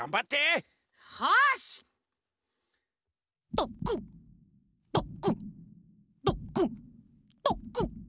ドックンドックンドックンドックン。